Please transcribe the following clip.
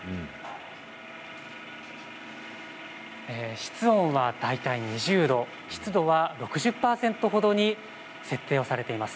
室温は大体２０度湿度は６０％ほどに設定をされています。